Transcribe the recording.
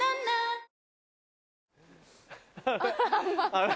あれ